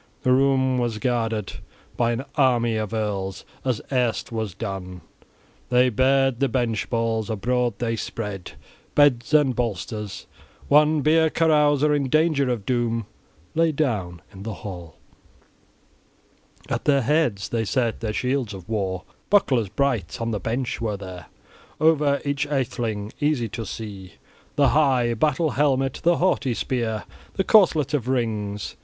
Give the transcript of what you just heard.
The room was guarded by an army of earls, as erst was done. They bared the bench boards; abroad they spread beds and bolsters. One beer carouser in danger of doom lay down in the hall. At their heads they set their shields of war, bucklers bright; on the bench were there over each atheling, easy to see, the high battle helmet, the haughty spear, the corselet of rings.